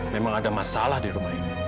memang ada masalah di rumah ini